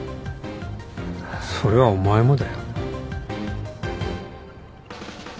それはお前もだよ。